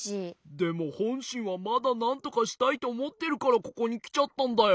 でもほんしんはまだなんとかしたいとおもってるからここにきちゃったんだよ。